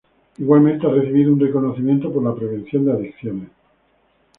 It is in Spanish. Igualmente ha recibido un reconocimiento por la Prevención de Adicciones.